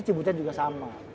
cibutet juga sama